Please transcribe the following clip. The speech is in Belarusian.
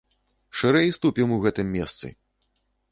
Шырэй ступім у гэтым месцы.